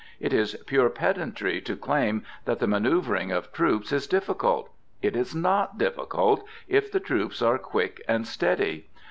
It is pure pedantry to claim that the manoeuvring of troops is difficult: it is not difficult, if the troops are quick and steady.